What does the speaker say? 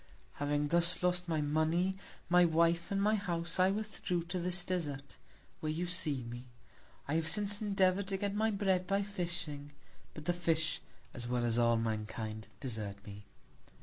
Having thus lost my Money, my Wife, and my House, I withdrew to this Desart, where you see me. I have since endeavour'd to get my Bread by Fishing; but the Fish, as well as all Mankind, desert me.